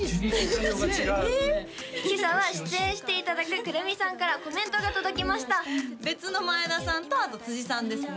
全然対応が違う今朝は出演していただく９６３さんからコメントが届きました別の前田さんとあと辻さんですね